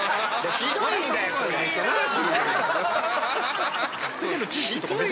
ひどいんだよこれ。